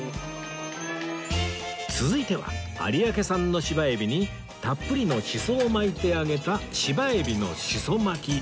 続いては有明産の芝海老にたっぷりのシソを巻いて揚げた芝海老の紫蘇巻